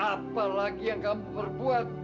apa lagi yang kamu berbuat